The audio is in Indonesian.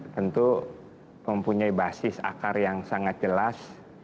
tentu mempunyai basis akar yang sangat jelas